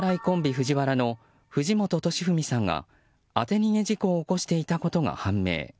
ＦＵＪＩＷＡＲＡの藤本敏史さんが当て逃げ事故を起こしていたことが判明。